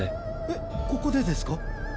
えっここでですか？